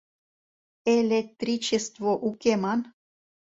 Э-лек-три-чес-тво уке ман!